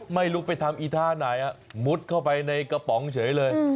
ไม่รู้ไปทำอีท่าไหนมุดเข้าไปในกระป๋องเฉยเลย